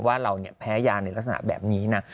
ว่าเราแพ้ยาในลักษณะแบบนี้นะ